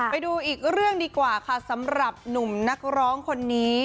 ไปดูอีกเรื่องดีกว่าค่ะสำหรับหนุ่มนักร้องคนนี้